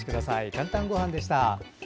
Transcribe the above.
「かんたんごはん」でした。